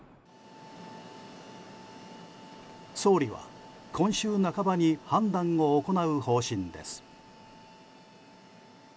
総理は今週半ばに判断を行う方針です。